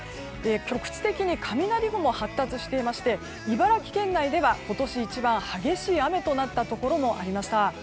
局地的に雷雲が発達していまして茨城県内では今年一番激しい雨となったところもありました。